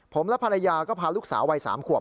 ผมและภรรยาก็พาลูกสาววัย๓ขวบ